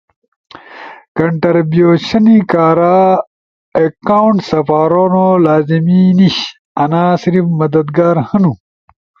کنٹربیوشنی کارا اکونٹ سپارونو لازمی نیش، انا صرف مددگار ہنو۔